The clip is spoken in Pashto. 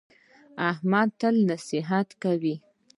احمد تل نصیحت کوي.